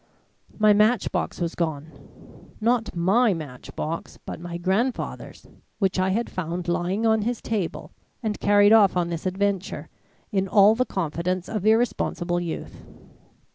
My match box was gone not my match box, but my grandfather's which I had found lying on his table and carried off on this adventure, in all the confidence of irresponsible youth.